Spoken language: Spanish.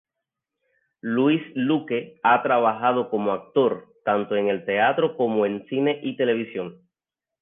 Luis Luque ha trabajado como actor tanto en teatro como en cine y televisión.